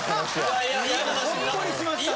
ほっこりしましたね。